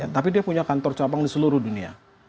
tapi dia punya kantor cabang di seluruh dunia